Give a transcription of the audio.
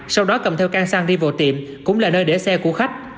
sau đó cầm theo can sang đi vào tiệm cũng là nơi để xe của khách